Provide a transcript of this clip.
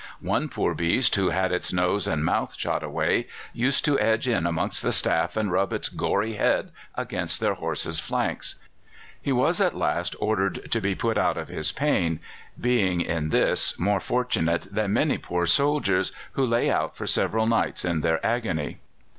One poor beast, who had its nose and mouth shot away, used to edge in amongst the staff and rub its gory head against their horses' flanks. He was at last ordered to be put out of his pain, being in this more fortunate than many poor soldiers, who lay out for several nights in their agony.